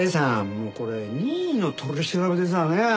もうこれ任意の取り調べですわね。